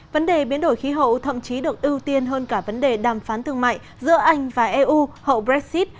vấn đề biến đổi khí hậu thậm chí được ưu tiên hơn cả vấn đề đàm phán thương mại giữa anh và eu hậu brexit